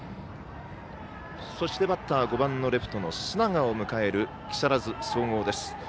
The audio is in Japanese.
そしてバッターは５番のレフトの須永を迎える木更津総合です。